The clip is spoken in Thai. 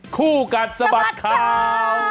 คู่กัดสะบัดข่าว